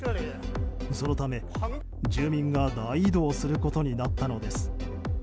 そのため、住民が大移動することになったのです。